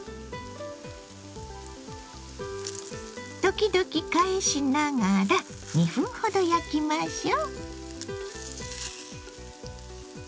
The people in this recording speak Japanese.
時々返しながら２分ほど焼きましょう。